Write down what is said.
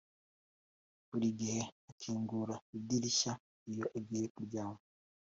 buri gihe akingura idirishya iyo agiye kuryama.